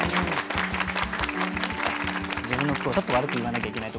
自分の句をちょっと悪く言わなきゃいけないところがね。